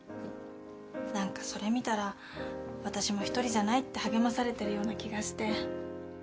何かそれ見たら私も一人じゃないって励まされてるような気がして。